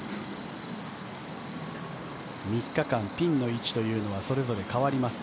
３日間、ピンの位置というのはそれぞれ変わります。